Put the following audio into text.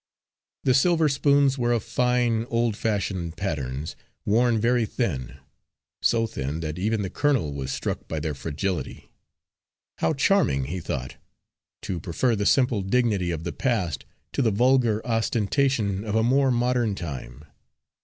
The silver spoons were of fine, old fashioned patterns, worn very thin so thin that even the colonel was struck by their fragility. How charming, he thought, to prefer the simple dignity of the past to the vulgar ostentation of a more modern time.